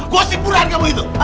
bosik purahan kamu itu